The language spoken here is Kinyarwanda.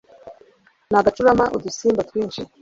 n agacurama i Udusimba twinshi